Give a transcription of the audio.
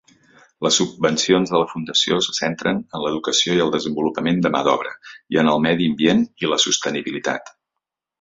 Les subvencions de la fundació se centren en l'educació i el desenvolupament de mà d'obra, i en el medi ambient i la sostenibilitat.